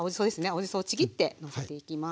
青じそをちぎってのせていきます。